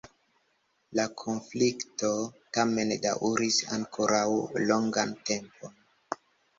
La konflikto tamen daŭris ankoraŭ longan tempon.